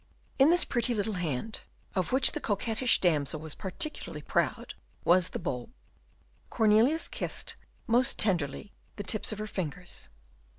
In this pretty little hand, of which the coquettish damsel was particularly proud, was the bulb. Cornelius kissed most tenderly the tips of her fingers.